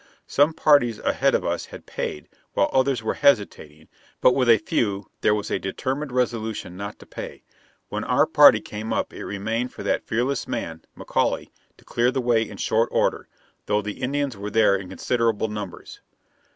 Some parties ahead of us had paid, while others were hesitating; but with a few there was a determined resolution not to pay. When our party came up it remained for that fearless man, McAuley, to clear the way in short order, though the Indians were there in considerable numbers.